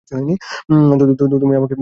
আমি জানি তুমি এখানে কী করছ।